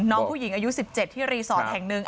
น้องผู้หญิงอายุ๑๗ที่รีสอร์ทแห่งหนึ่ง